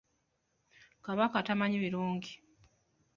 Kabaka tamanyi birungi.